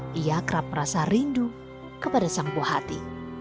dia kerap merasa rindu kepada sang puhati